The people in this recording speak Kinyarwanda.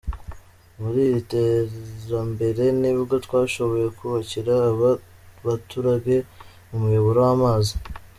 Muri iri terambere nibwo twashoboye kubakira aba baturage umuyoboro w’amazi.